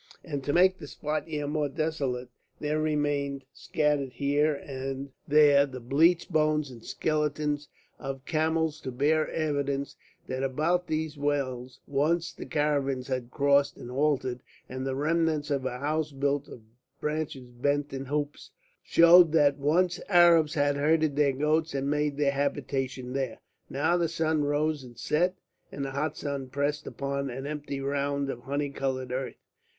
And to make the spot yet more desolate, there remained scattered here and there the bleached bones and skeletons of camels to bear evidence that about these wells once the caravans had crossed and halted; and the remnants of a house built of branches bent in hoops showed that once Arabs had herded their goats and made their habitation there. Now the sun rose and set, and the hot sky pressed upon an empty round of honey coloured earth.